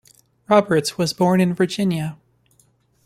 Roberts was born in Virginia.